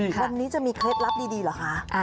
วันนี้จะมีเคล็ดลับดีเหรอคะ